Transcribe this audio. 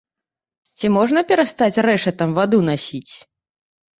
Ці можна перастаць рэшатам ваду насіць?